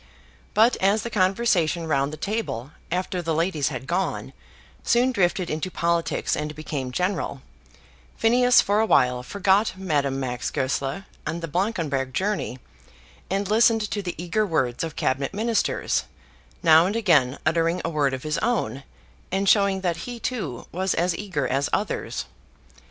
But as the conversation round the table, after the ladies had gone, soon drifted into politics and became general, Phineas, for a while, forgot Madame Max Goesler and the Blankenberg journey, and listened to the eager words of Cabinet Ministers, now and again uttering a word of his own, and showing that he, too, was as eager as others.